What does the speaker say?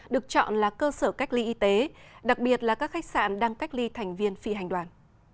được chọn là cơ sở cách ly y tế đặc biệt là các khách sạn đang cách ly thành viên phi hành đoàn